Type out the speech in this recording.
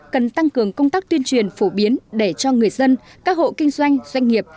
cần tăng cường công tác tuyên truyền phổ biến để cho người dân các hộ kinh doanh doanh nghiệp